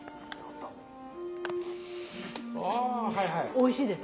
おいしいです。